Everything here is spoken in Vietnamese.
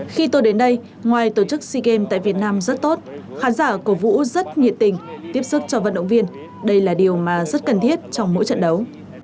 khi tôi đến đây ngoài tổ chức sea games tại việt nam rất tốt khán giả cổ vũ rất nhiệt tình tiếp sức cho vận động viên đây là điều mà rất cần thiết trong mỗi trận đấu